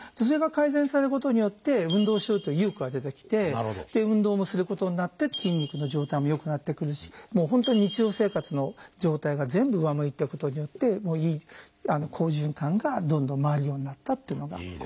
それが改善されることによって運動しようという意欲が出てきてで運動もすることになって筋肉の状態も良くなってくるしもう本当に日常生活の状態が全部上向いたことによって好循環がどんどん回るようになったっていうのが。